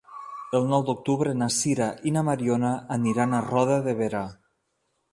El nou d'octubre na Sira i na Mariona aniran a Roda de Berà.